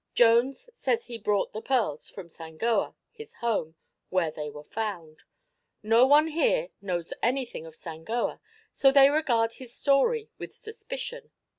Jones says he brought the pearls from Sangoa, his home, where they were found. No one here knows anything of Sangoa, so they regard his story with suspicion.